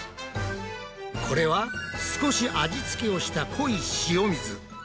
これは少し味つけをした濃い塩水。